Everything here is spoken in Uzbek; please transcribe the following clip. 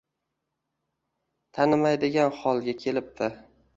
Tanimaydigan holga kelibdi.